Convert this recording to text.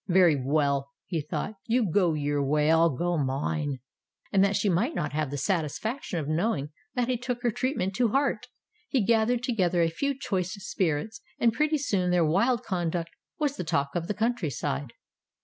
''Very well/' he thought, "you go your way, I'll go mine." And that she might not have the satisfaction of knowing that he took her treatment to heart, he gathered together a few choice spirits, and pretty soon their wild conduct was the talk of the countryside.